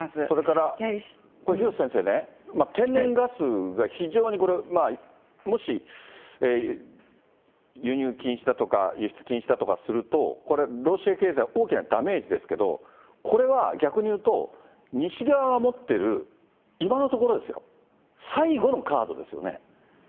それから、廣瀬先生ね、天然ガスが非常にこれ、もし輸入禁止だとか、輸出禁止だとかすると、これ、ロシア経済、大きなダメージですけど、これは逆に言うと、西側が持ってる、今のところですよ、最後のカードですよね。